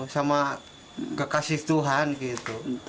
sama kekasih tuhan gitu